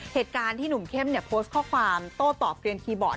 เหตุการณ์ที่หนุ่มเข้มโพสต์ข้อความโต้ตอบเกลียนคีย์บอร์ด